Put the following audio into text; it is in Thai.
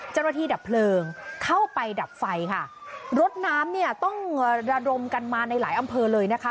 ดับเพลิงเข้าไปดับไฟค่ะรถน้ำเนี่ยต้องระดมกันมาในหลายอำเภอเลยนะคะ